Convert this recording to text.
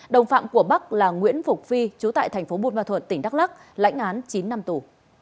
đồng phạm của bắc là nguyễn phục phi chú tại thành phố buôn ma thuật tỉnh đắk lắc lãnh án chín năm tù